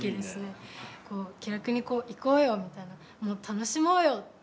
「気楽にいこうよ」みたいな「楽しもうよ」っていう。